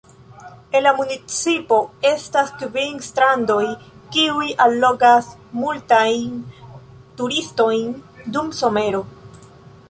En la municipo estas kvin strandoj, kiuj allogas multajn turistojn dum somero.